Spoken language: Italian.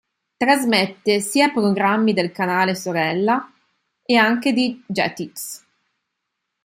Trasmette sia programmi del canale sorella e anche di Jetix.